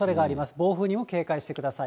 暴風には警戒してください。